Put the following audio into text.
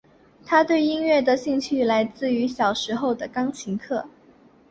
她对音乐的兴趣来自小时候的钢琴课。